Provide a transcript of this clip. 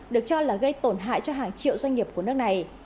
được cho là gây tổn hại cho hàng triệu doanh nghiệp của nước này